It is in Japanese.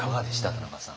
田中さん。